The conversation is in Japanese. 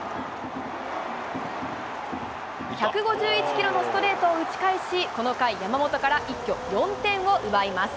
１５１キロのストレートを打ち返し、この回、山本から一挙４点を奪います。